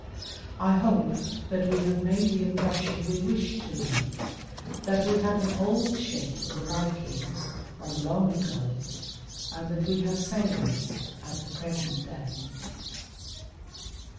I hope that we have made the im pression we wished to make, that we had an old ship of the Vikings of long ago and that we have sailors at the present day.